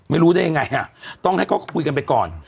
ไม่รู้ได้ยังไงต้องให้เขาคุยกันไปก่อน